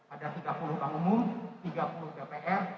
ada tiga puluh pengumum tiga puluh dpr